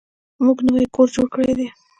موږ نوی کور جوړ کړی دی.